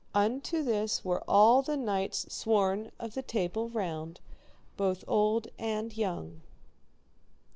Unto this were all the knights sworn of the Table Round, both old and young.